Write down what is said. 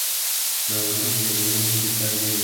ناورین زېږوونکې پایلې یې لرلې.